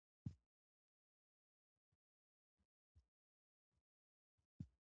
په افغانستان کې طلا د خلکو د اعتقاداتو سره تړاو لري.